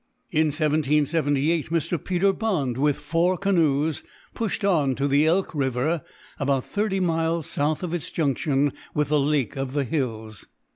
In 1778, Mr. Peter Bond, with four canoes, pushed on to the Elk river, about thirty miles south of its junction with the Lake of the Hills.